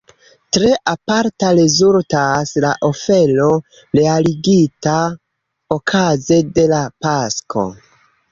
Tre aparta rezultas la ofero realigita okaze de la Pasko.